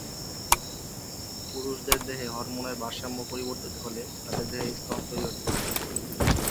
পুরুষদের দেহে হরমোনের ভারসাম্য পরিবর্তিত হলে তাদের দেহে স্তন তৈরি হতে পারে।